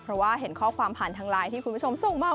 เพราะว่าเห็นข้อความผ่านทางไลน์ที่คุณผู้ชมส่งมา